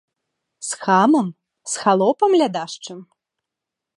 З хамам, з халопам лядашчым?!